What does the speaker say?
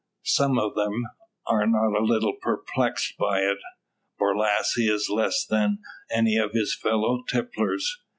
Some of them are not a little perplexed by it. Borlasse is less so than any of his fellow tipplers.